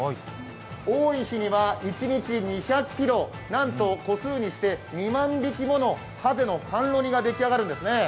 多い日には一日２００ｋｇ、なんと個数にして２万匹ものはぜの甘露煮が出来上がるんですね。